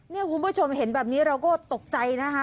นี่คุณผู้ชมเห็นแบบนี้เราก็ตกใจนะคะ